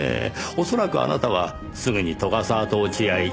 恐らくあなたはすぐに斗ヶ沢と落ち合い。